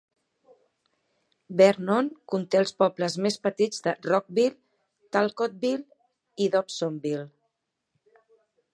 Vernon conté els pobles més petits de Rockville, Talcottville i Dobsonville.